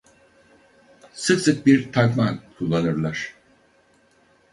Sık sık bir takma ad kullanırlar.